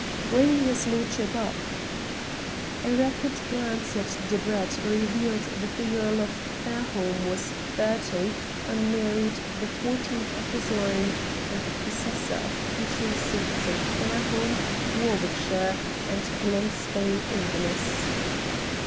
"Bring his lordship up." A rapid glance at "Debrett" revealed that the Earl of Fairholme was thirty, unmarried, the fourteenth of his line, and the possessor of country seats at Fairholme, Warwickshire, and Glen Spey, Inverness.